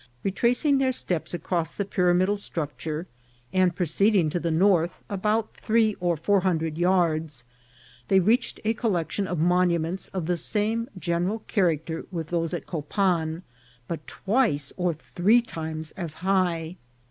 Retracing their steps across the pyramidal structure, and proceeding to the north about three or four hun dred yards, they reached a collection of monuments of the same general character with those at Copan, but twice or three times as high.